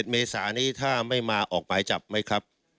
เมษานี้ถ้าไม่มาออกหมายจับไหมครับ